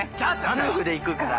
夫婦で行くから。